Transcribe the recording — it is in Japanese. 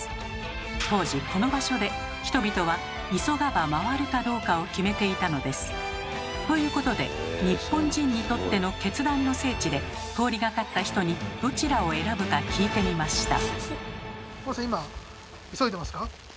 当時この場所で人々は急がば回るかどうかを決めていたのです。ということで日本人にとっての決断の聖地で通りがかった人にどちらを選ぶか聞いてみました。